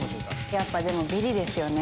やっぱビリですよね。